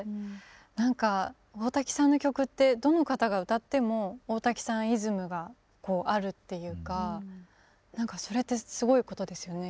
何か大滝さんの曲ってどの方が歌っても大滝さんイズムがあるっていうか何かそれってすごいことですよね。